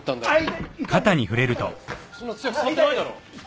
そんな強く触ってないだろ？